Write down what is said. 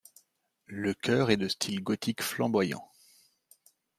Le chœur est de style gothique flamboyant.